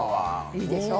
いいでしょ。